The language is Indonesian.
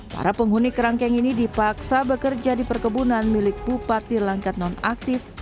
para penghuni kerangkeng ini dipaksa bekerja di perkebunan milik bupati langkat nonaktif